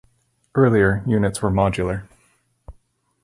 Earlier, units were modular.